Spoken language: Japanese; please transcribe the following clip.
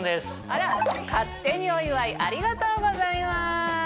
あら勝手にお祝いありがとうございます。